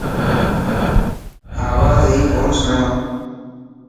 آواز هئي ڪون سڻيو.